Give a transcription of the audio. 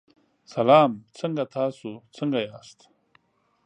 سلام څنګه تاسو څنګه یاست.